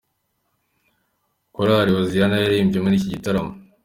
Korali Hoziyana yaririmbye muri iki gitaramo.